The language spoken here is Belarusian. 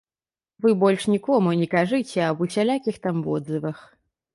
Вы больш нікому не кажыце аб усялякіх там водзывах.